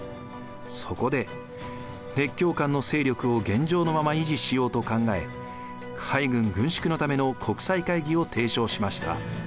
そこで列強間の勢力を現状のまま維持しようと考え海軍軍縮のための国際会議を提唱しました。